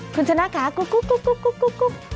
คุณชนะค่ะกุ๊กกุ๊กกุ๊กกุ๊กกุ๊กกุ๊กกุ๊ก